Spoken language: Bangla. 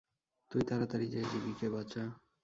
তুই তাড়াতাড়ি যেয়ে জিগিকে বাঁচা।